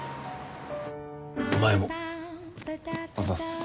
お前もあざす